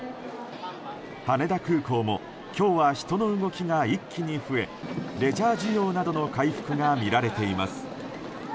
羽田空港も今日は人の動きが一気に増えレジャー需要などの回復が見られています。